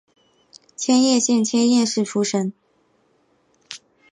千叶县千叶市出身。